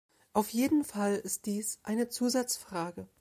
Auf jeden Fall ist dies eine Zusatzfrage.